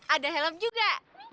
ada helm juga